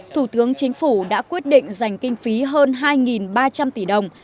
thủ tướng chính phủ đã quyết định dành kinh phí hơn hai ba trăm linh tỷ đồng